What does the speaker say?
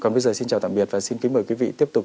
còn bây giờ xin chào tạm biệt và xin kính mời quý vị tiếp tục